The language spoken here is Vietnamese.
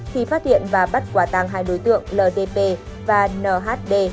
thì phát hiện và bắt quả tàng hai đối tượng ldp và nhd